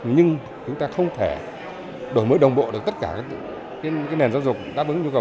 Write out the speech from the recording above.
nhưng chúng ta không thể đổ mế đồng bộ được tất cả nền giáo dục đáp ứng nhu cầu bốn